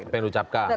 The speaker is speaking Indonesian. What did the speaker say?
apa yang diucapkan